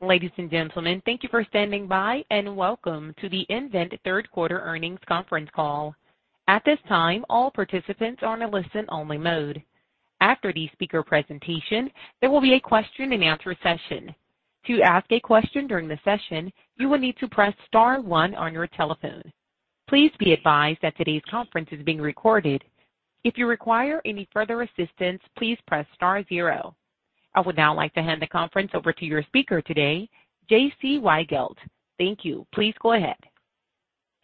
Ladies and gentlemen, thank you for standing by, and welcome to the nVent Third Quarter Earnings Conference Call. At this time, all participants are in a listen-only mode. After the speaker presentation, there will be a question-and-answer session. To ask a question during the session, you will need to press star one on your telephone. Please be advised that today's conference is being recorded. If you require any further assistance, please press star zero. I would now like to hand the conference over to your speaker today, J.C. Weigelt. Thank you. Please go ahead.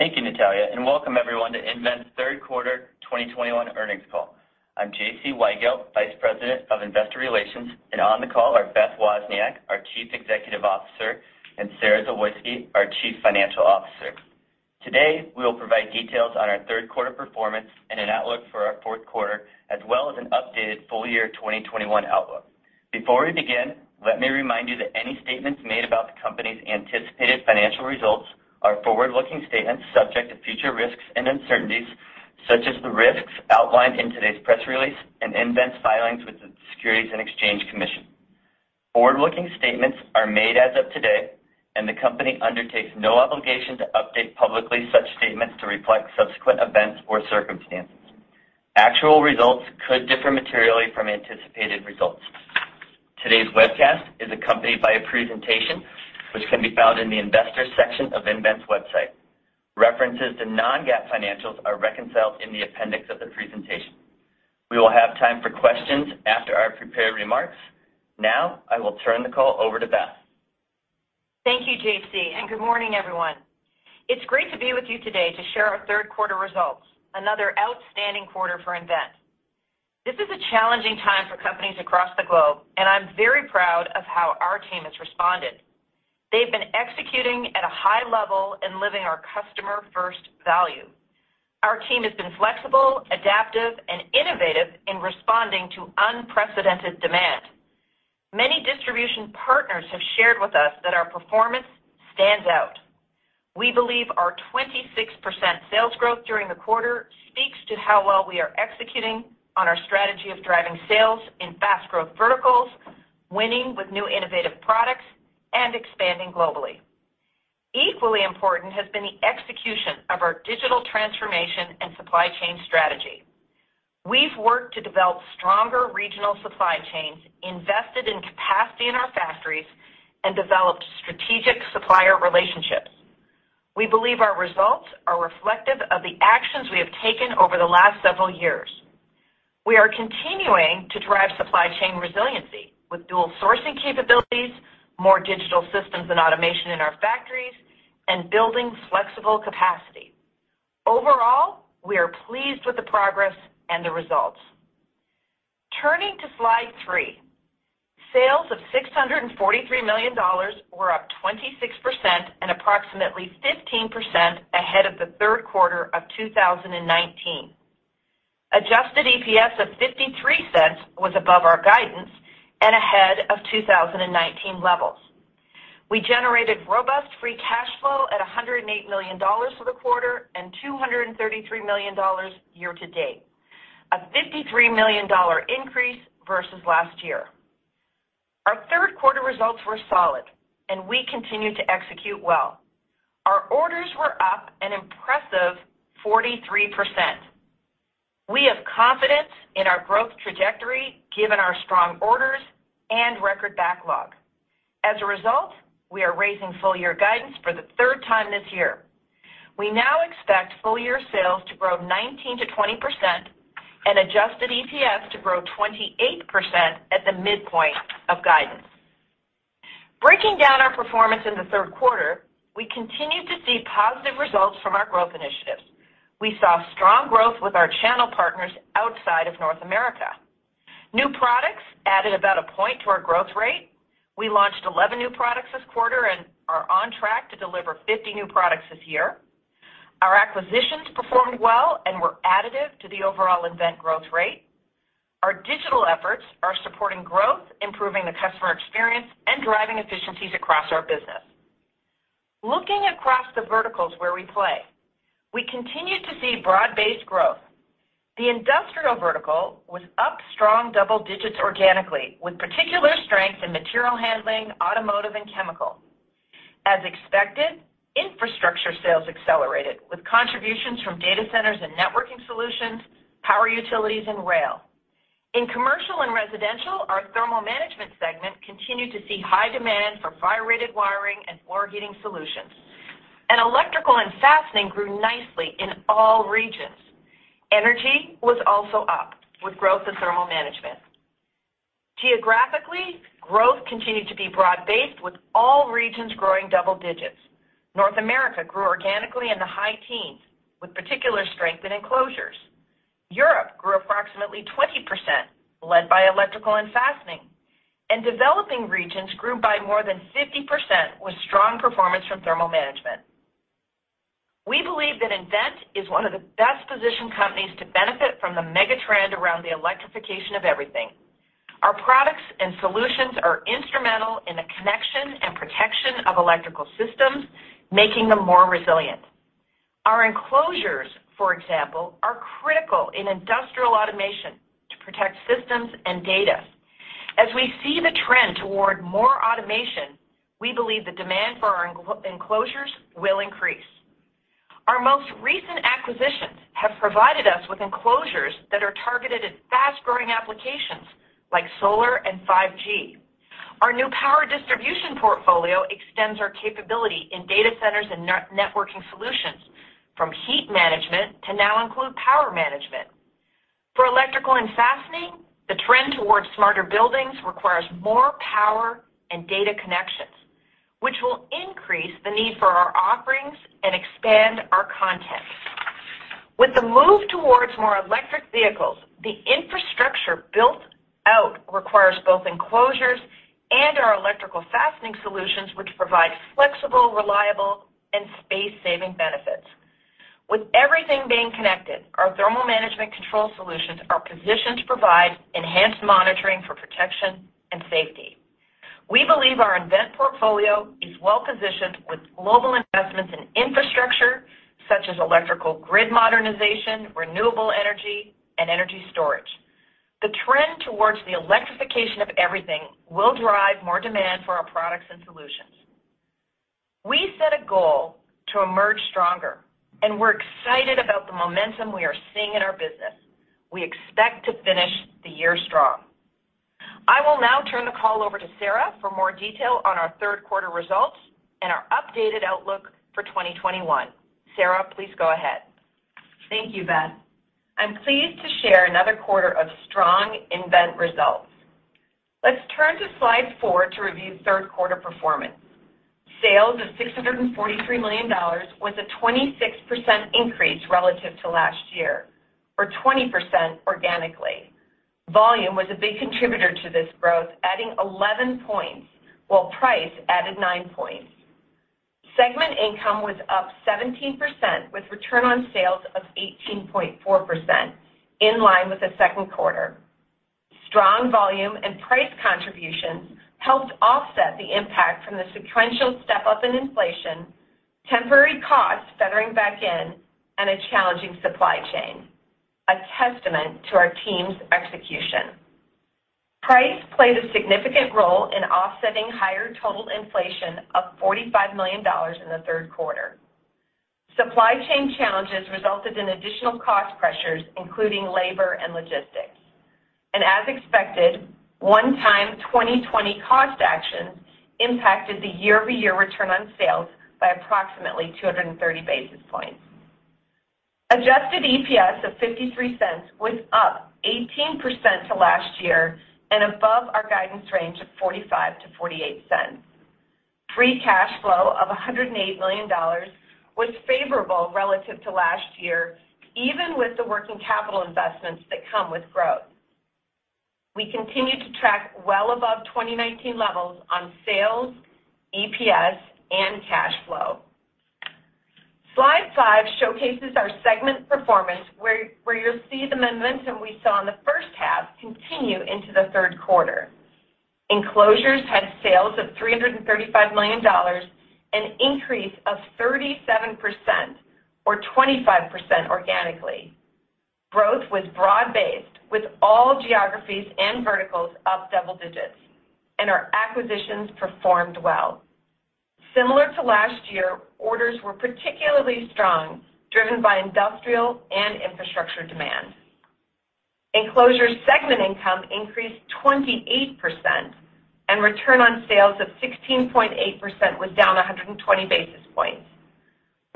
Thank you, Natalia, and welcome everyone to nVent Third Quarter 2021 Earnings Call. I'm J.C. Weigelt, Vice President of Investor Relations, and on the call are Beth Wozniak, our Chief Executive Officer, and Sara Zawoyski, our Chief Financial Officer. Today, we will provide details on our third quarter performance and an outlook for our fourth quarter, as well as an updated full year 2021 outlook. Before we begin, let me remind you that any statements made about the company's anticipated financial results are forward-looking statements subject to future risks and uncertainties, such as the risks outlined in today's press release and nVent's filings with the Securities and Exchange Commission. Forward-looking statements are made as of today, and the company undertakes no obligation to update publicly such statements to reflect subsequent events or circumstances. Actual results could differ materially from anticipated results. Today's webcast is accompanied by a presentation which can be found in the Investors section of nVent's website. References to non-GAAP financials are reconciled in the appendix of the presentation. We will have time for questions after our prepared remarks. Now, I will turn the call over to Beth. Thank you, J.C., and good morning, everyone. It's great to be with you today to share our third quarter results, another outstanding quarter for nVent. This is a challenging time for companies across the globe, and I'm very proud of how our team has responded. They've been executing at a high level and living our customer-first value. Our team has been flexible, adaptive, and innovative in responding to unprecedented demand. Many distribution partners have shared with us that our performance stands out. We believe our 26% sales growth during the quarter speaks to how well we are executing on our strategy of driving sales in fast-growth verticals, winning with new innovative products, and expanding globally. Equally important has been the execution of our digital transformation and supply chain strategy. We've worked to develop stronger regional supply chains, invested in capacity in our factories, and developed strategic supplier relationships. We believe our results are reflective of the actions we have taken over the last several years. We are continuing to drive supply chain resiliency with dual sourcing capabilities, more digital systems and automation in our factories, and building flexible capacity. Overall, we are pleased with the progress and the results. Turning to slide three. Sales of $643 million were up 26% and approximately 15% ahead of the third quarter of 2019. Adjusted EPS of $0.53 was above our guidance and ahead of 2019 levels. We generated robust free cash flow at $108 million for the quarter and $233 million year to date, a $53 million increase versus last year. Our third quarter results were solid, and we continued to execute well. Our orders were up an impressive 43%. We have confidence in our growth trajectory given our strong orders and record backlog. As a result, we are raising full year guidance for the third time this year. We now expect full year sales to grow 19%-20% and adjusted EPS to grow 28% at the midpoint of guidance. Breaking down our performance in the third quarter, we continued to see positive results from our growth initiatives. We saw strong growth with our channel partners outside of North America. New products added about one point to our growth rate. We launched 11 new products this quarter and are on track to deliver 50 new products this year. Our acquisitions performed well and were additive to the overall nVent growth rate. Our digital efforts are supporting growth, improving the customer experience, and driving efficiencies across our business. Looking across the verticals where we play, we continued to see broad-based growth. The industrial vertical was up strong double digits organically, with particular strength in material handling, automotive, and chemical. As expected, infrastructure sales accelerated, with contributions from data centers and networking solutions, power utilities, and rail. In commercial and residential, our Thermal Management segment continued to see high demand for fire-rated wiring and floor heating solutions. Electrical and Fastening grew nicely in all regions. Energy was also up, with growth in Thermal Management. Geographically, growth continued to be broad-based, with all regions growing double digits. North America grew organically in the high teens, with particular strength in Enclosures. Europe grew approximately 20%, led by Electrical and Fastening. Developing regions grew by more than 50%, with strong performance from Thermal Management. We believe that nVent is one of the best-positioned companies to benefit from the mega trend around the electrification of everything. Our products and solutions are instrumental in the connection and protection of electrical systems, making them more resilient. Our Enclosures, for example, are critical in industrial automation to protect systems and data. As we see the trend toward more automation, we believe the demand for our Enclosures will increase. Our most recent acquisitions have provided us with Enclosures that are targeted at fast-growing applications like solar and 5G. Our new power distribution portfolio extends our capability in data centers and networking solutions from heat management to now include power management. For Electrical and Fastening, the trend towards smarter buildings requires more power and data connections, which will increase the need for our offerings and expand our content. With the move towards more electric vehicles, the infrastructure built out requires both Enclosures and our Electrical & Fastening Solutions, which provide flexible, reliable, and space-saving benefits. With everything being connected, our Thermal Management control solutions are positioned to provide enhanced monitoring for protection and safety. We believe our nVent portfolio is well-positioned with global investments in infrastructure such as electrical grid modernization, renewable energy, and energy storage. The trend towards the electrification of everything will drive more demand for our products and solutions. We set a goal to emerge stronger, and we're excited about the momentum we are seeing in our business. We expect to finish the year strong. I will now turn the call over to Sara for more detail on our third quarter results and our updated outlook for 2021. Sara, please go ahead. Thank you, Beth. I'm pleased to share another quarter of strong nVent results. Let's turn to slide four to review third quarter performance. Sales of $643 million was a 26% increase relative to last year or 20% organically. Volume was a big contributor to this growth, adding 11 points, while price added nine points. Segment income was up 17% with return on sales of 18.4% in line with the second quarter. Strong volume and price contributions helped offset the impact from the sequential step-up in inflation, temporary costs feathering back in, and a challenging supply chain, a testament to our team's execution. Price played a significant role in offsetting higher total inflation of $45 million in the third quarter. Supply chain challenges resulted in additional cost pressures, including labor and logistics. As expected, one-time 2020 cost actions impacted the year-over-year return on sales by approximately 230 basis points. Adjusted EPS of $0.53 was up 18% to last year and above our guidance range of $0.45-$0.48. Free cash flow of $108 million was favorable relative to last year, even with the working capital investments that come with growth. We continue to track well above 2019 levels on sales, EPS, and cash flow. Slide five showcases our segment performance where you'll see the momentum we saw in the first half continue into the third quarter. Enclosures had sales of $335 million, an increase of 37% or 25% organically. Growth was broad-based with all geographies and verticals up double digits, and our acquisitions performed well. Similar to last year, orders were particularly strong, driven by industrial and infrastructure demand. Enclosures segment income increased 28% and return on sales of 16.8% was down 120 basis points.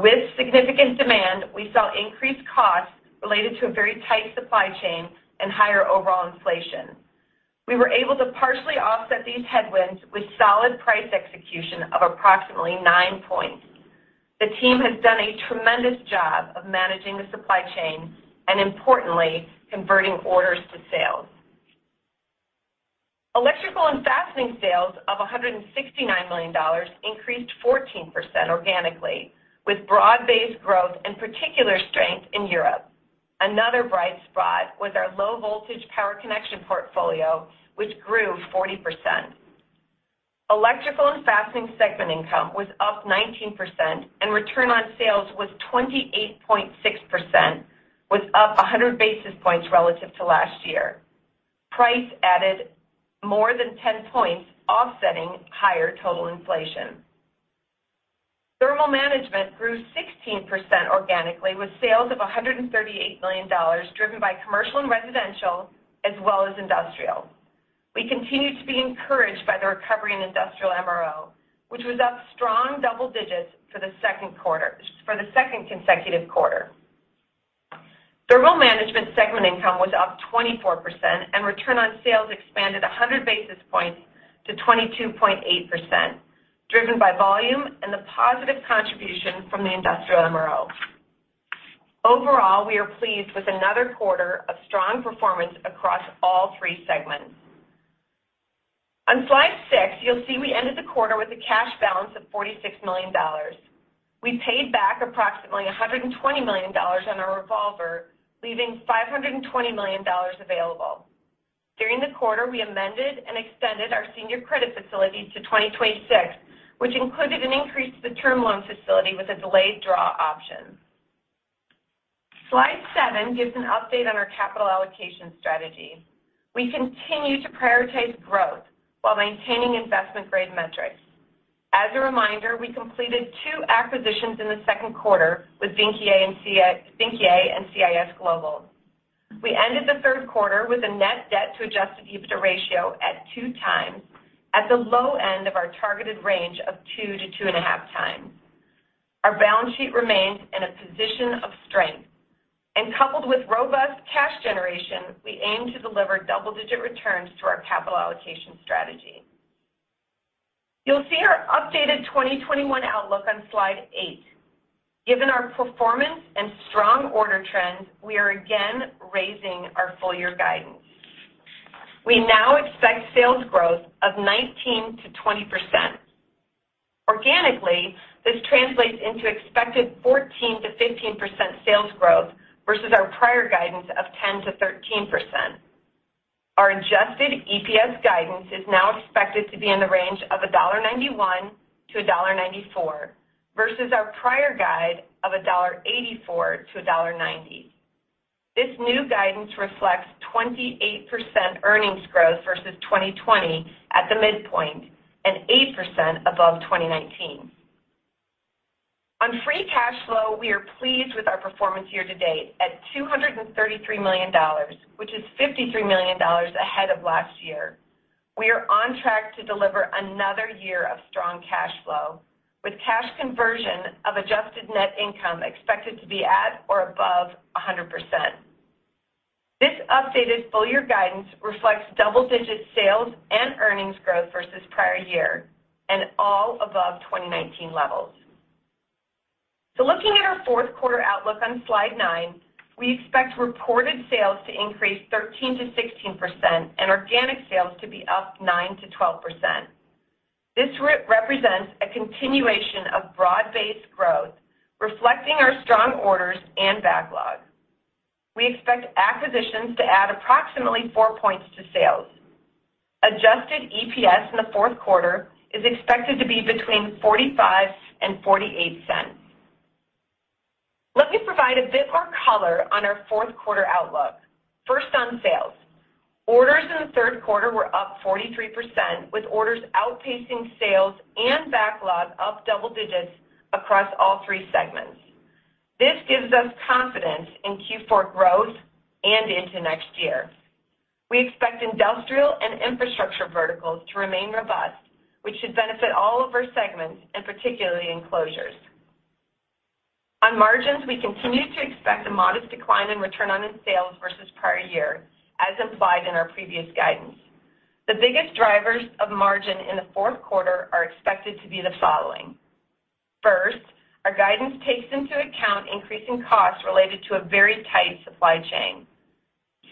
With significant demand, we saw increased costs related to a very tight supply chain and higher overall inflation. We were able to partially offset these headwinds with solid price execution of approximately nine points. The team has done a tremendous job of managing the supply chain and importantly, converting orders to sales. Electrical and Fastening sales of $169 million increased 14% organically, with broad-based growth and particular strength in Europe. Another bright spot was our low-voltage power connection portfolio, which grew 40%. Electrical & Fastening segment income was up 19% and return on sales was 28.6%, was up 100 basis points relative to last year. Price added more than 10 points, offsetting higher total inflation. Thermal Management grew 16% organically with sales of $138 million driven by commercial and residential as well as industrial. We continue to be encouraged by the recovery in industrial MRO, which was up strong double digits for the second quarter, for the second consecutive quarter. Thermal Management segment income was up 24% and return on sales expanded 100 basis points to 22.8%, driven by volume and the positive contribution from the industrial MRO. Overall, we are pleased with another quarter of strong performance across all three segments. On slide six, you'll see we ended the quarter with a cash balance of $46 million. We paid back approximately $120 million on our revolver, leaving $520 million available. During the quarter, we amended and extended our senior credit facilities to 2026, which included an increase to the term loan facility with a delayed draw option. Slide seven gives an update on our capital allocation strategy. We continue to prioritize growth while maintaining investment-grade metrics. As a reminder, we completed two acquisitions in the second quarter with Vynckier and CIS Global. We ended the third quarter with a net debt to adjusted EBITDA ratio at 2 times, at the low end of our targeted range of 2 times-2.5 times. Our balance sheet remains in a position of strength. Coupled with robust cash generation, we aim to deliver double-digit returns to our capital allocation strategy. You'll see our updated 2021 outlook on slide eight. Given our performance and strong order trends, we are again raising our full year guidance. We now expect sales growth of 19%-20%. Organically, this translates into expected 14%-15% sales growth versus our prior guidance of 10%-13%. Our adjusted EPS guidance is now expected to be in the range of $1.91-$1.94 versus our prior guide of $1.84-$1.90. This new guidance reflects 28% earnings growth versus 2020 at the midpoint, and 8% above 2019. On free cash flow, we are pleased with our performance year-to-date at $233 million, which is $53 million ahead of last year. We are on track to deliver another year of strong cash flow, with cash conversion of adjusted net income expected to be at or above 100%. This updated full year guidance reflects double-digit sales and earnings growth versus prior year, and all above 2019 levels. Looking at our fourth quarter outlook on slide nine, we expect reported sales to increase 13%-16% and organic sales to be up 9%-12%. This represents a continuation of broad-based growth, reflecting our strong orders and backlog. We expect acquisitions to add approximately four points to sales. Adjusted EPS in the fourth quarter is expected to be between $0.45 and $0.48. Let me provide a bit more color on our fourth quarter outlook. First on sales. Orders in the third quarter were up 43%, with orders outpacing sales and backlog up double digits across all three segments. This gives us confidence in Q4 growth and into next year. We expect industrial and infrastructure verticals to remain robust, which should benefit all of our segments, and particularly Enclosures. On margins, we continue to expect a modest decline in return on sales versus prior year, as implied in our previous guidance. The biggest drivers of margin in the fourth quarter are expected to be the following. First, our guidance takes into account increasing costs related to a very tight supply chain.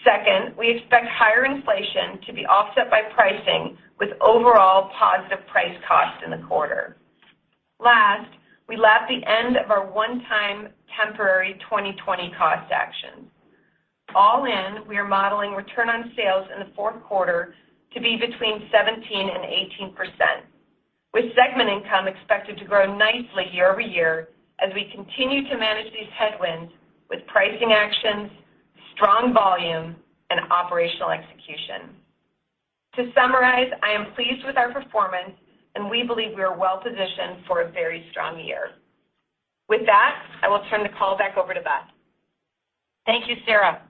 Second, we expect higher inflation to be offset by pricing with overall positive price costs in the quarter. Last, we lap the end of our one-time temporary 2020 cost actions. All in, we are modeling return on sales in the fourth quarter to be between 17% and 18%, with segment income expected to grow nicely year-over-year as we continue to manage these headwinds with pricing actions, strong volume, and operational execution. To summarize, I am pleased with our performance, and we believe we are well-positioned for a very strong year. With that, I will turn the call back over to Beth. Thank you, Sara.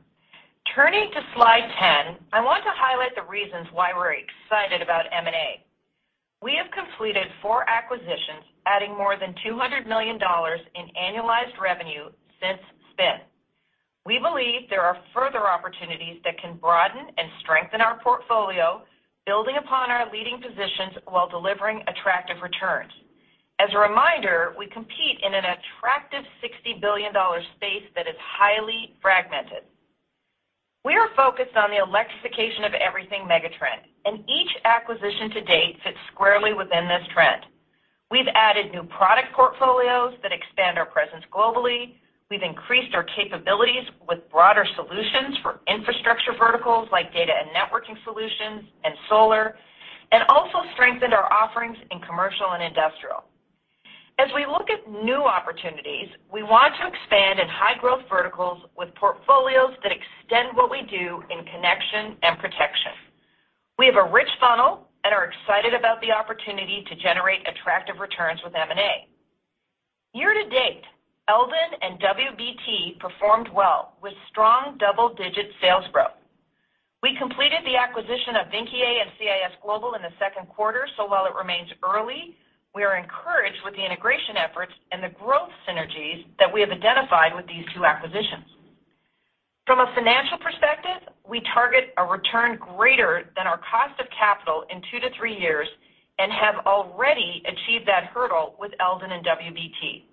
Turning to slide 10, I want to highlight the reasons why we're excited about M&A. We have completed four acquisitions, adding more than $200 million in annualized revenue since spin. We believe there are further opportunities that can broaden and strengthen our portfolio, building upon our leading positions while delivering attractive returns. As a reminder, we compete in an attractive $60 billion space that is highly fragmented. We are focused on the electrification of everything megatrend, and each acquisition to date fits squarely within this trend. We've added new product portfolios that expand our presence globally. We've increased our capabilities with broader solutions for infrastructure verticals like data and networking solutions and solar, and also strengthened our offerings in commercial and industrial. As we look at new opportunities, we want to expand in high-growth verticals with portfolios that extend what we do in connection and protection. We have a rich funnel and are excited about the opportunity to generate attractive returns with M&A. Year to date, Eldon and WBT performed well with strong double-digit sales growth. We completed the acquisition of Vynckier and CIS Global in the second quarter, so while it remains early, we are encouraged with the integration efforts and the growth synergies that we have identified with these two acquisitions. From a financial perspective, we target a return greater than our cost of capital in two to three years and have already achieved that hurdle with Eldon and WBT.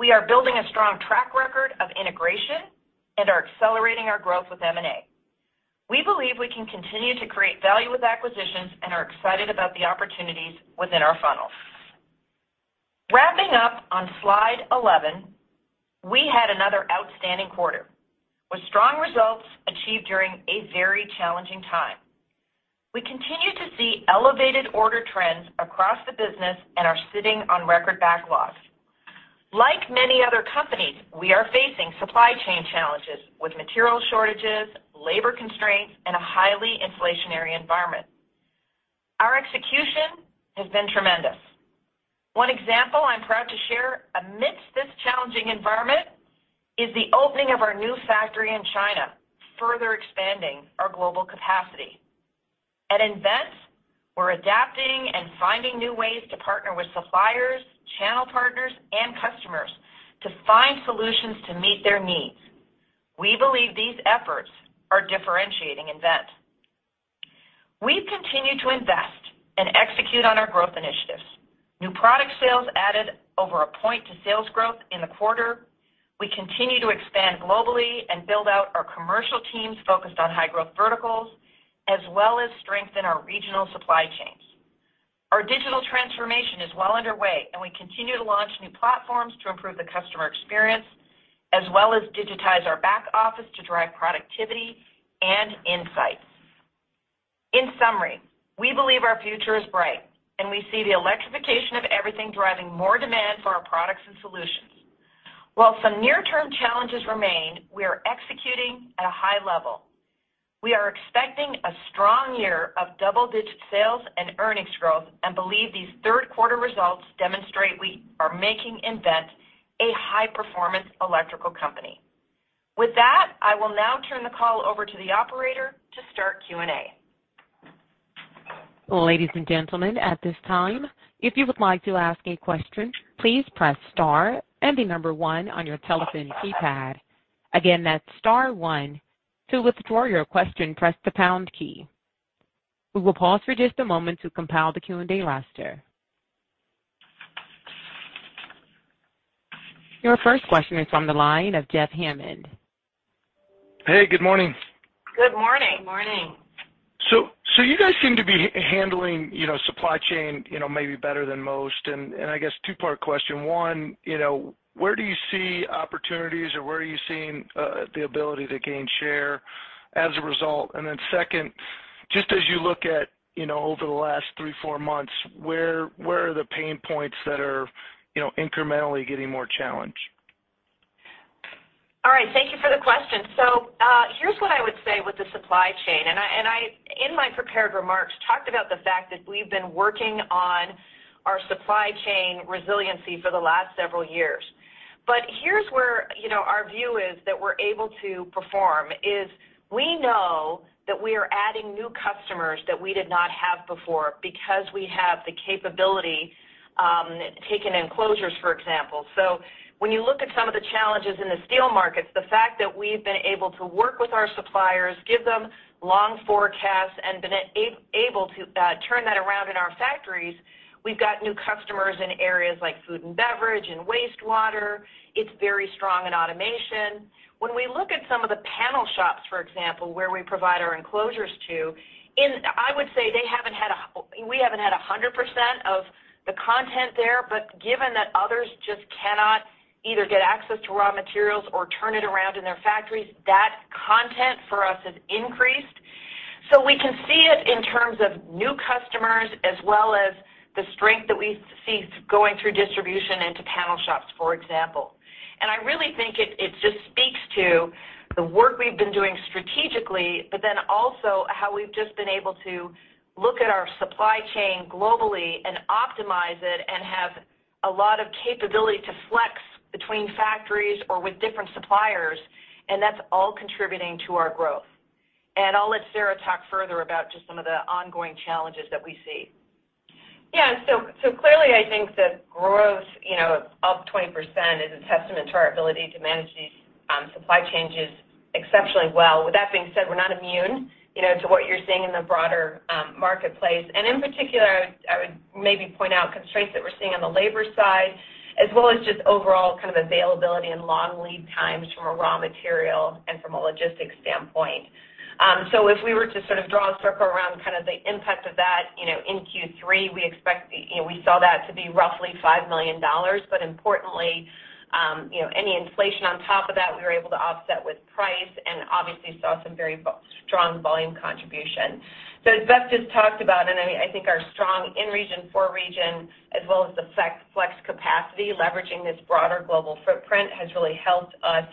We are building a strong track record of integration and are accelerating our growth with M&A. We believe we can continue to create value with acquisitions and are excited about the opportunities within our funnel. Showing up on slide 11, we had another outstanding quarter with strong results achieved during a very challenging time. We continue to see elevated order trends across the business and are sitting on record backlogs. Like many other companies, we are facing supply chain challenges with material shortages, labor constraints, and a highly inflationary environment. Our execution has been tremendous. One example I'm proud to share amidst this challenging environment is the opening of our new factory in China, further expanding our global capacity. At nVent, we're adapting and finding new ways to partner with suppliers, channel partners, and customers to find solutions to meet their needs. We believe these efforts are differentiating nVent. We've continued to invest and execute on our growth initiatives. New product sales added over a point to sales growth in the quarter. We continue to expand globally and build out our commercial teams focused on high-growth verticals, as well as strengthen our regional supply chains. Our digital transformation is well underway, and we continue to launch new platforms to improve the customer experience, as well as digitize our back office to drive productivity and insights. In summary, we believe our future is bright, and we see the electrification of everything driving more demand for our products and solutions. While some near-term challenges remain, we are executing at a high level. We are expecting a strong year of double-digit sales and earnings growth and believe these third quarter results demonstrate we are making nVent a high-performance electrical company. With that, I will now turn the call over to the operator to start Q&A. Ladies and gentlemen, at this time, if you would like to ask a question, please press star and the number one on your telephone keypad. Again, that's star one. To withdraw your question, press the pound key. We will pause for just a moment to compile the Q&A roster. Your first question is from the line of Jeff Hammond. Hey, good morning. Good morning. Good morning. You guys seem to be handling, you know, supply chain, you know, maybe better than most. I guess two-part question. One, you know, where do you see opportunities, or where are you seeing the ability to gain share as a result? Second, just as you look at, you know, over the last three, four months, where are the pain points that are, you know, incrementally getting more challenged? All right. Thank you for the question. Here's what I would say with the supply chain, and I in my prepared remarks, talked about the fact that we've been working on our supply chain resiliency for the last several years. Here's where, you know, our view is that we're able to perform. We know that we are adding new customers that we did not have before because we have the capability, taking Enclosures, for example. When you look at some of the challenges in the steel markets, the fact that we've been able to work with our suppliers, give them long forecasts, and been able to turn that around in our factories, we've got new customers in areas like food and beverage and wastewater. It's very strong in automation. When we look at some of the panel shops, for example, where we provide our Enclosures to, I would say we haven't had 100% of the content there, but given that others just cannot either get access to raw materials or turn it around in their factories, that content for us has increased. We can see it in terms of new customers as well as the strength that we see going through distribution into panel shops, for example. I really think it just speaks to the work we've been doing strategically, but then also how we've just been able to look at our supply chain globally and optimize it and have a lot of capability to flex between factories or with different suppliers, and that's all contributing to our growth. I'll let Sara talk further about just some of the ongoing challenges that we see. Clearly, I think the growth, you know, up 20% is a testament to our ability to manage these supply chains exceptionally well. With that being said, we're not immune, you know, to what you're seeing in the broader marketplace. In particular, I would maybe point out constraints that we're seeing on the labor side as well as just overall kind of availability and long lead times from a raw material and from a logistics standpoint. If we were to sort of draw a circle around kind of the impact of that, you know, in Q3, we expect, you know, we saw that to be roughly $5 million. Importantly, you know, any inflation on top of that, we were able to offset with price and obviously saw some very strong volume contribution. As Beth just talked about, and I think our strong in-region, for-region, as well as the flex capacity, leveraging this broader global footprint has really helped us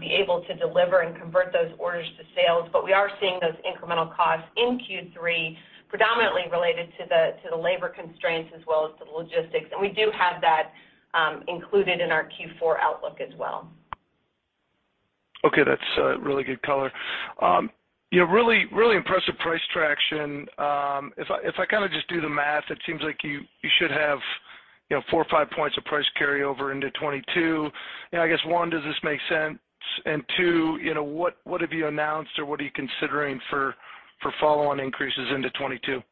be able to deliver and convert those orders to sales. We are seeing those incremental costs in Q3 predominantly related to the labor constraints as well as to the logistics. We do have that included in our Q4 outlook as well. Okay. That's really good color. Yeah, really impressive price traction. If I kinda just do the math, it seems like you should have, you know, four or five points of price carryover into 2022. You know, I guess, one, does this make sense? Two, you know, what have you announced or what are you considering for follow-on increases into 2022?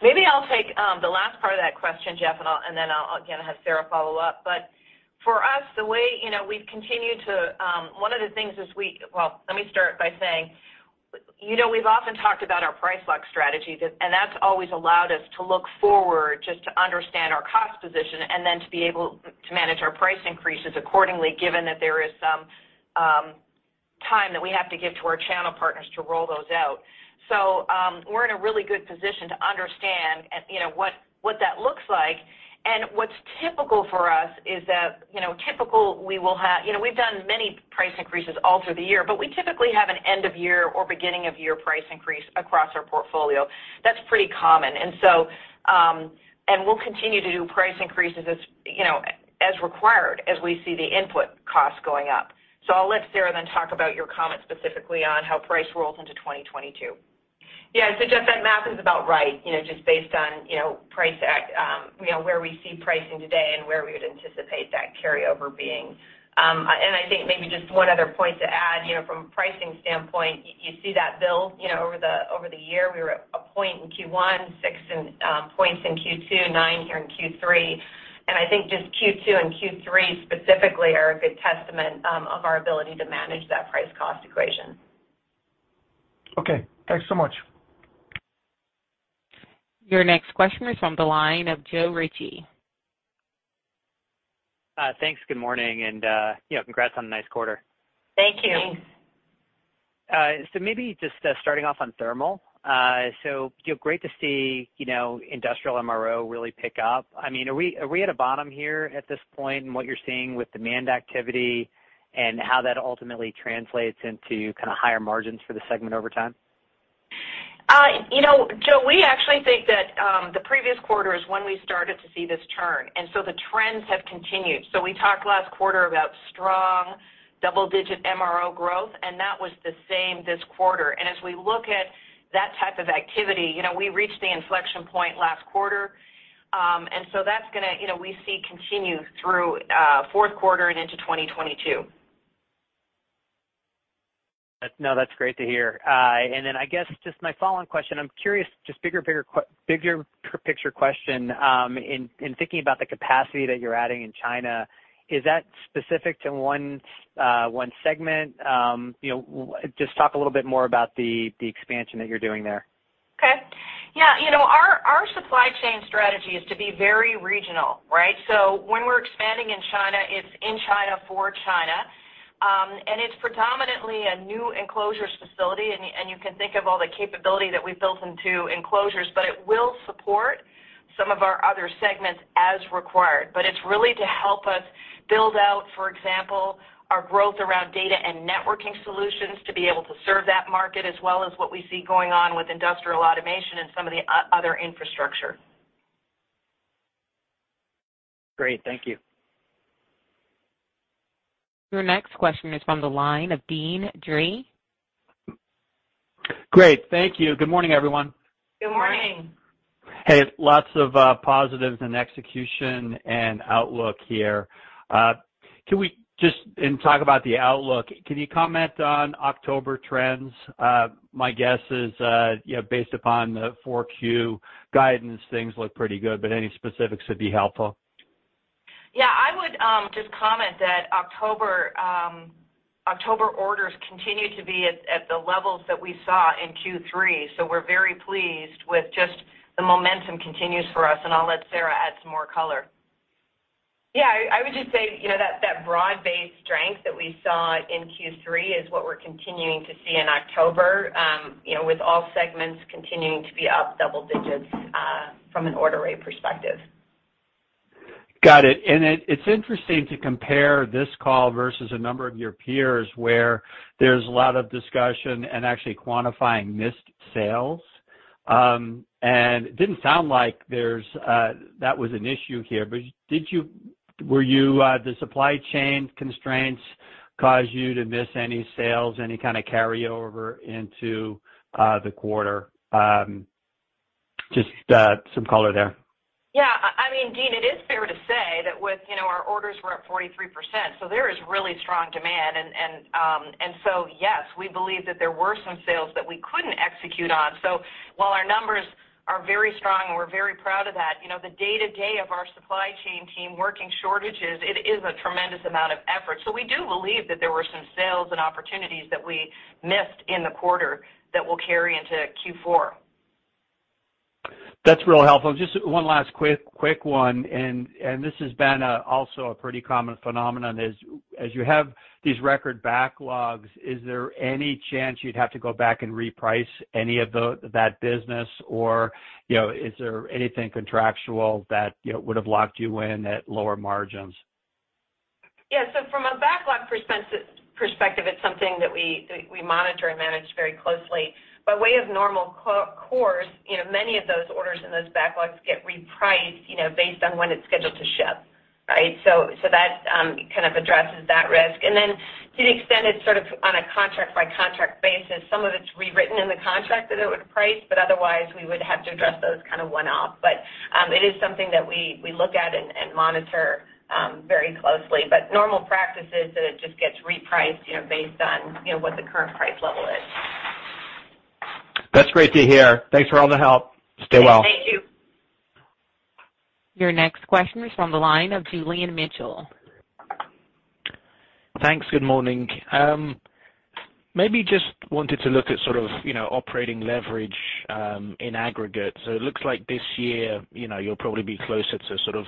Maybe I'll take the last part of that question, Jeff, and then I'll, again, have Sara follow up. For us, the way you know we've continued to, one of the things is. Well, let me start by saying you know, we've often talked about our price lock strategy, and that's always allowed us to look forward just to understand our cost position and then to be able to manage our price increases accordingly, given that there is some time that we have to give to our channel partners to roll those out. We're in a really good position to understand what you know what that looks like. What's typical for us is that you know typically we will have... You know, we've done many price increases all through the year, but we typically have an end of year or beginning of year price increase across our portfolio. That's pretty common. We'll continue to do price increases as, you know, as required, as we see the input costs going up. I'll let Sara then talk about your comment specifically on how price rolls into 2022. Yeah. Jeff, that math is about right, you know, just based on, you know, pricing today and where we would anticipate that carryover being. I think maybe just one other point to add, you know, from a pricing standpoint, you see that build, you know, over the year. We were up one point in Q1, six points in Q2, nine here in Q3. I think just Q2 and Q3 specifically are a good testament of our ability to manage that price-cost equation. Okay, thanks so much. Your next question is on the line of Joe Ritchie. Thanks. Good morning. You know, congrats on a nice quarter. Thank you. Thanks. Maybe just starting off on thermal. You know, great to see, you know, industrial MRO really pick up. I mean, are we at a bottom here at this point in what you're seeing with demand activity and how that ultimately translates into kind of higher margins for the segment over time? You know, Joe, we actually think that the previous quarter is when we started to see this turn, and so the trends have continued. We talked last quarter about strong double-digit MRO growth, and that was the same this quarter. As we look at that type of activity, you know, we reached the inflection point last quarter. That's gonna, you know, we see continue through fourth quarter and into 2022. No, that's great to hear. I guess just my follow-on question, I'm curious, just bigger picture question, in thinking about the capacity that you're adding in China, is that specific to one segment? You know, just talk a little bit more about the expansion that you're doing there. Okay. Yeah. You know, our supply chain strategy is to be very regional, right? When we're expanding in China, it's in China for China. It's predominantly a new Enclosures facility, and you can think of all the capability that we've built into Enclosures, but it will support some of our other segments as required. It's really to help us build out, for example, our growth around data and networking solutions to be able to serve that market, as well as what we see going on with industrial automation and some of the other infrastructure. Great. Thank you. Your next question is from the line of Deane Dray. Great. Thank you. Good morning, everyone. Good morning. Good morning. Hey, lots of positives in execution and outlook here. Can we talk about the outlook, can you comment on October trends? My guess is, you know, based upon the 4Q guidance, things look pretty good, but any specifics would be helpful. Yeah. I would just comment that October orders continue to be at the levels that we saw in Q3. We're very pleased with just the momentum continues for us, and I'll let Sara add some more color. Yeah. I would just say, you know, that broad-based strength that we saw in Q3 is what we're continuing to see in October, you know, with all segments continuing to be up double digits, from an order rate perspective. Got it. It's interesting to compare this call versus a number of your peers, where there's a lot of discussion and actually quantifying missed sales. It didn't sound like that was an issue here. Did the supply chain constraints cause you to miss any sales, any kind of carryover into the quarter? Just some color there. Yeah. I mean, Deane, it is fair to say that with, you know, our orders were up 43%, so there is really strong demand. Yes, we believe that there were some sales that we couldn't execute on. So while our numbers are very strong and we're very proud of that, you know, the day-to-day of our supply chain team working shortages, it is a tremendous amount of effort. So we do believe that there were some sales and opportunities that we missed in the quarter that will carry into Q4. That's real helpful. Just one last quick one, and this has been also a pretty common phenomenon: as you have these record backlogs, is there any chance you'd have to go back and reprice any of that business or, you know, is there anything contractual that, you know, would have locked you in at lower margins? Yeah. From a backlog perspective, it's something that we monitor and manage very closely. By way of normal course, you know, many of those orders in those backlogs get repriced, you know, based on when it's scheduled to ship, right? That kind of addresses that risk. Then to the extent it's sort of on a contract by contract basis, some of it's rewritten in the contract that it would price, but otherwise, we would have to address those kind of one-off. It is something that we look at and monitor very closely. Normal practice is that it just gets repriced, you know, based on, you know, what the current price level is. That's great to hear. Thanks for all the help. Stay well. Thank you. Your next question is from the line of Julian Mitchell. Thanks. Good morning. Maybe just wanted to look at sort of, you know, operating leverage in aggregate. It looks like this year, you know, you'll probably be closer to sort of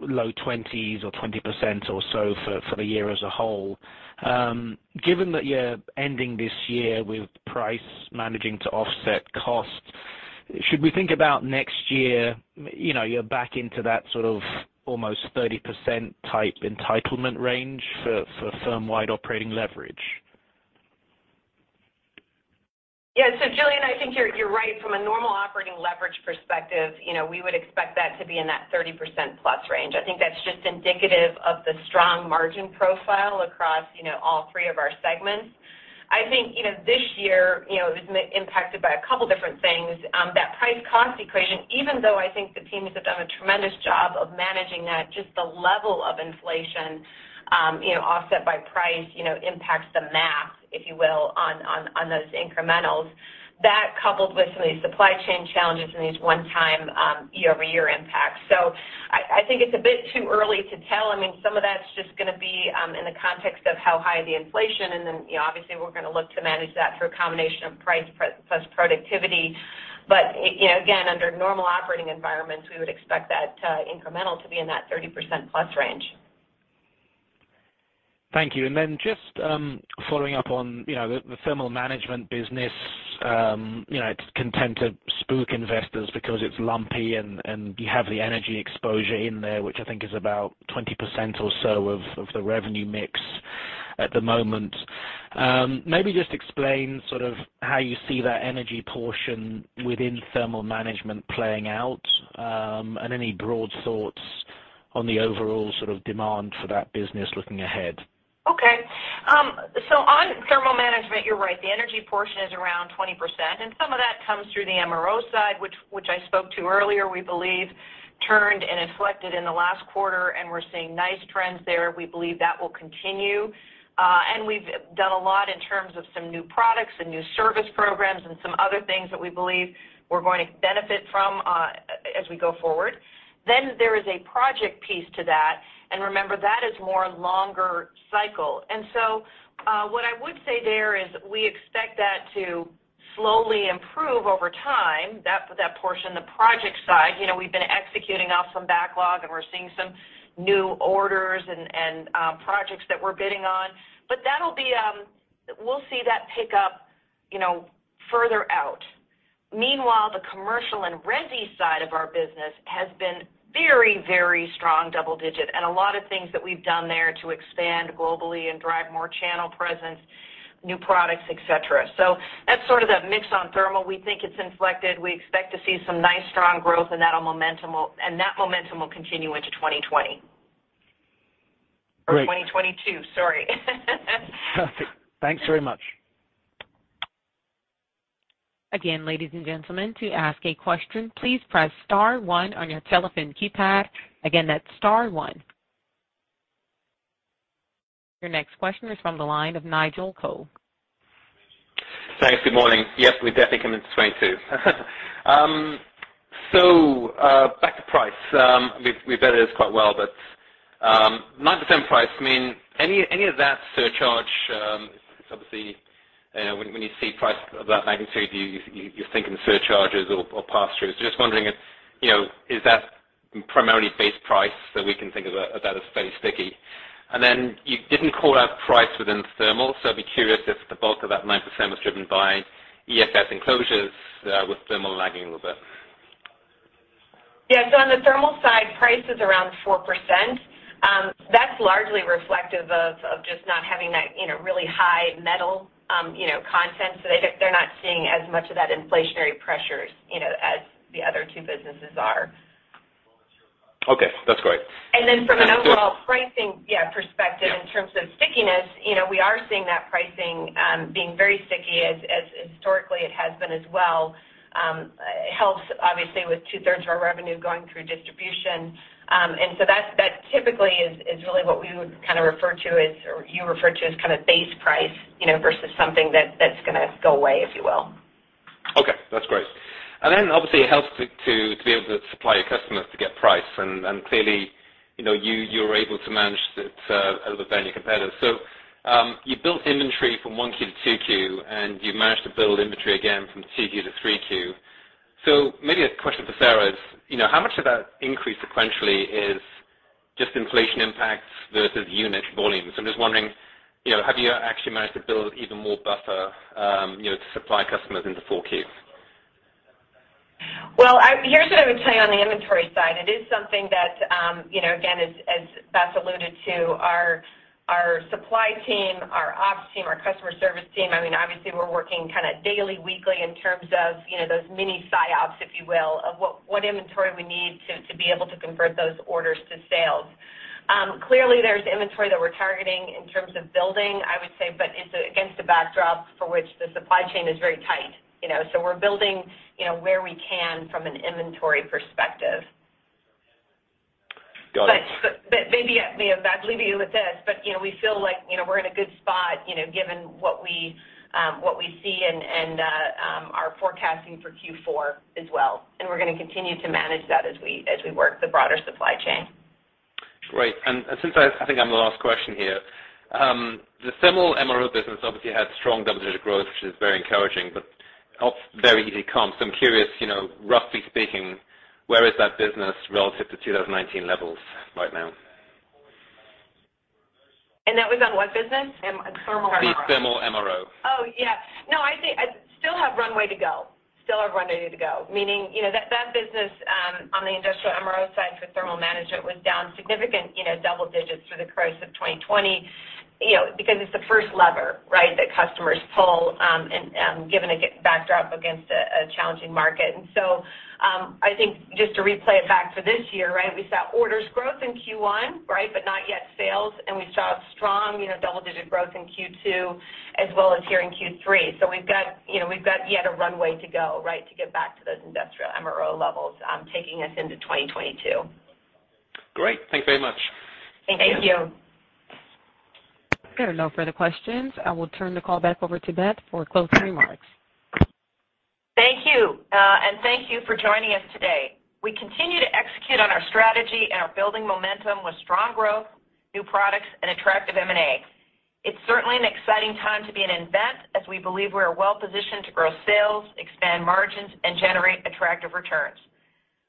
low 20% or 20% or so for the year as a whole. Given that you're ending this year with price managing to offset cost, should we think about next year, you know, you're back into that sort of almost 30% type entitlement range for firm-wide operating leverage? Yeah. Julian, I think you're right. From a normal operating leverage perspective, you know, we would expect that to be in that 30%+ range. I think that's just indicative of the strong margin profile across, you know, all three of our segments. I think, you know, this year, you know, is impacted by a couple different things, that price cost equation, even though I think the teams have done a tremendous job of managing that, just the level of inflation, you know, offset by price, you know, impacts the math, if you will, on those incrementals. That coupled with some of these supply chain challenges and these one-time year-over-year impacts. I think it's a bit too early to tell. I mean, some of that's just gonna be in the context of how high the inflation and then, you know, obviously we're gonna look to manage that through a combination of price plus productivity. You know, again, under normal operating environments, we would expect that incremental to be in that 30%+ range. Thank you. Just following up on, you know, the thermal management business, you know, it's known to spook investors because it's lumpy and you have the energy exposure in there, which I think is about 20% or so of the revenue mix at the moment. Maybe just explain sort of how you see that energy portion within thermal management playing out, and any broad thoughts on the overall sort of demand for that business looking ahead. Okay. On thermal management, you're right. The energy portion is around 20%, and some of that comes through the MRO side, which I spoke to earlier, we believe turned and inflected in the last quarter, and we're seeing nice trends there. We believe that will continue. We've done a lot in terms of some new products and new service programs and some other things that we believe we're going to benefit from, as we go forward. There is a project piece to that, and remember that is more longer cycle. What I would say there is we expect that to slowly improve over time, that portion, the project side. You know, we've been executing off some backlog, and we're seeing some new orders and projects that we're bidding on. That'll be, we'll see that pick up, you know, further out. Meanwhile, the commercial and resi side of our business has been very, very strong double digit and a lot of things that we've done there to expand globally and drive more channel presence, new products, et cetera. That's sort of the mix on thermal. We think it's inflected. We expect to see some nice strong growth, and that momentum will continue into 2020. Great. 2022. Sorry. Perfect. Thanks very much. Again, ladies and gentlemen, to ask a question, please press star one on your telephone keypad. Again, that's star one. Your next question is from the line of Nigel Coe. Thanks. Good morning. Yes, we're definitely coming to 2022. Back to price. We've read this quite well, but 9% price, I mean, any of that surcharge, obviously, you know, when you see price of that magnitude, you're thinking surcharges or pass-throughs. Just wondering if, you know, is that primarily base price that we can think of that as fairly sticky? Then you didn't call out price within thermal, so I'd be curious if the bulk of that 9% was driven by EFS enclosures, with thermal lagging a little bit. On the thermal side, price is around 4%. That's largely reflective of just not having that, you know, really high metal, you know, content. They're not seeing as much of that inflationary pressures, you know, as the other two businesses are. Okay. That's great. From an overall pricing, yeah, perspective in terms of stickiness, you know, we are seeing that pricing being very sticky as historically it has been as well. It helps obviously with 2/3 of our revenue going through distribution. That's typically really what we would kind of refer to as, or you refer to as kind of base price, you know, versus something that's gonna go away, if you will. Okay. That's great. Obviously it helps to be able to supply your customers to get price. Clearly, you know, you're able to manage that a little better than your competitors. You built inventory from 1Q-2Q, and you managed to build inventory again from 2Q-3Q. Maybe a question for Sara is, you know, how much of that increase sequentially is just inflation impacts versus unit volumes? I'm just wondering, you know, have you actually managed to build even more buffer, you know, to supply customers into 4Q? Well, here's what I would tell you on the inventory side. It is something that, you know, again, as Beth alluded to, our supply team, our ops team, our customer service team, I mean, obviously we're working kind of daily, weekly in terms of, you know, those mini S&OPs, if you will, of what inventory we need to be able to convert those orders to sales. Clearly, there's inventory that we're targeting in terms of building, I would say, but it's against the backdrop for which the supply chain is very tight, you know. We're building, you know, where we can from an inventory perspective. Got it. Maybe I'll leave you with this, but, you know, we feel like, you know, we're in a good spot, you know, given what we see and our forecasting for Q4 as well. We're gonna continue to manage that as we work the broader supply chain. Great. Since I think I'm the last question here. The thermal MRO business obviously had strong double-digit growth, which is very encouraging, but a very easy comp. I'm curious, you know, roughly speaking, where is that business relative to 2019 levels right now? That was on what business? Thermal MRO. The thermal MRO. Oh, yeah. No, I think I still have runway to go. Meaning, you know, that business on the industrial MRO side for Thermal Management was down significantly, you know, double digits through the course of 2020, you know, because it's the first lever, right, that customers pull, and given a backdrop against a challenging market. I think just to replay it back for this year, right, we saw orders growth in Q1, right, but not yet sales. We saw strong, you know, double-digit growth in Q2 as well as here in Q3. We've got, you know, yet a runway to go, right, to get back to those industrial MRO levels, taking us into 2022. Great. Thank you very much. Thank you. Thank you. There are no further questions. I will turn the call back over to Beth for closing remarks. Thank you. Thank you for joining us today. We continue to execute on our strategy and are building momentum with strong growth, new products, and attractive M&A. It's certainly an exciting time to be in nVent as we believe we are well positioned to grow sales, expand margins, and generate attractive returns.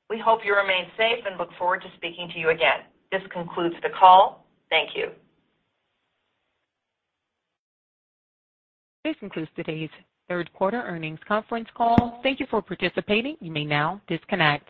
We hope you remain safe and look forward to speaking to you again. This concludes the call. Thank you. This concludes today's third quarter earnings conference call. Thank you for participating. You may now disconnect.